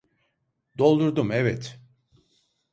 Doldurdum evet